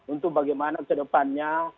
untuk bagaimana kedepannya